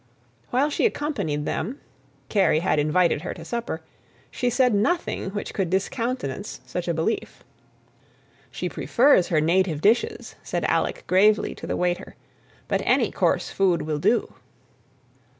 While she accompanied them (Kerry had invited her to supper) she said nothing which could discountenance such a belief. "She prefers her native dishes," said Alec gravely to the waiter, "but any coarse food will do."